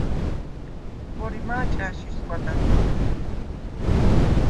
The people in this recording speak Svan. ხორიმა̄ ჭა̈შ ისგვა დაჩვირს?